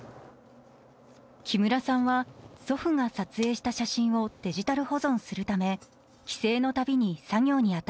木村さんは祖父が撮影した写真をデジタル保存するため帰省の度に作業にあたっています。